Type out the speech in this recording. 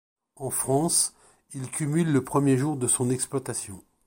En France, il cumule le premier jour de son exploitation.